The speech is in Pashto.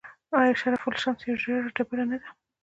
آیا شرف الشمس یوه ژیړه ډبره نه ده؟